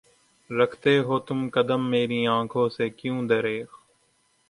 رکھتے ہو تم قدم میری آنکھوں سے کیوں دریغ؟